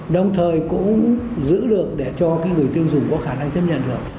đồng thời cũng giữ được để cho người tiêu dùng có khả năng tiếp nhận được